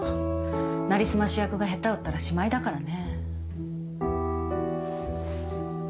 なりすまし役が下手打ったらしまいだからね。